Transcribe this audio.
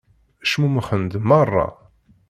Cmumxen-d meṛṛa.